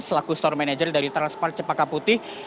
selaku store manager dari transmart cepaka putih